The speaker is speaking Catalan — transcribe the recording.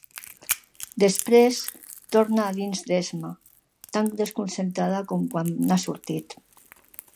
Després torna a dins d'esma, tan desconcertada com quan n'ha sortit.